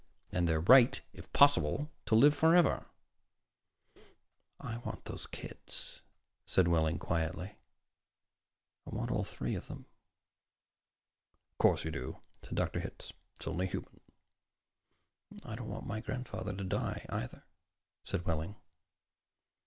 And their right, if possible, to live forever." "I want those kids," said Wehling quietly. "I want all three of them." "Of course you do," said Dr. Hitz. "That's only human." "I don't want my grandfather to die, either," said Wehling.